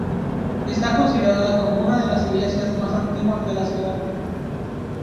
Está considerada como una de las iglesias más antiguas de la ciudad.